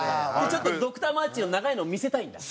ちょっとドクターマーチンの長いのを見せたいんだ？